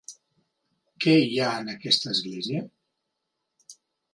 Què hi ha en aquesta església?